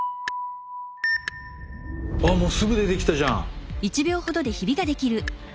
ああもうすぐ出てきたじゃん！